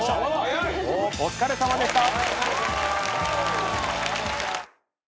お疲れさまでした。